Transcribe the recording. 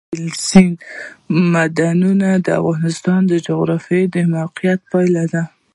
اوبزین معدنونه د افغانستان د جغرافیایي موقیعت پایله ده.